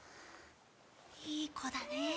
いい子だね。